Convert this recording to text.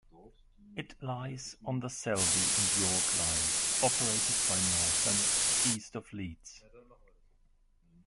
It lies on the Selby and York Lines, operated by Northern, east of Leeds.